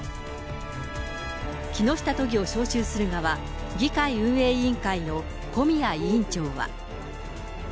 木下都議を招集する側、議会運営委員会の小宮委員長は。